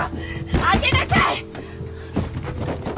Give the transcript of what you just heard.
開けなさい！